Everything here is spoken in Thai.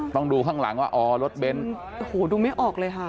ต้องดูข้างหลังว่ารถเบนสู่โตไม่ออกเลยค่ะ